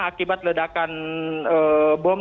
akibat ledakan bom